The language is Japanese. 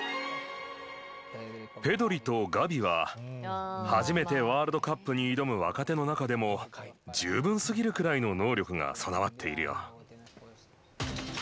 ペドリとガビは初めてワールドカップに挑む若手の中でも十分すぎるくらいの能力が備わっているよ。